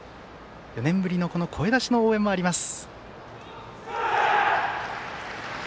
４年ぶりの声出しの応援もあります。